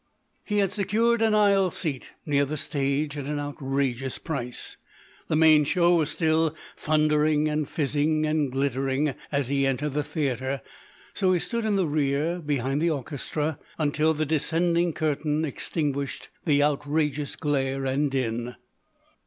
He had secured an aisle seat near the stage at an outrageous price; the main show was still thundering and fizzing and glittering as he entered the theatre; so he stood in the rear behind the orchestra until the descending curtain extinguished the outrageous glare and din.